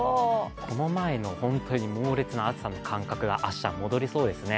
この前の猛烈な暑さの感覚が明日、戻りそうですね。